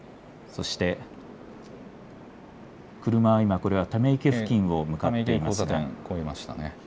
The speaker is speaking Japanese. そして車は今、溜池付近を向かっています。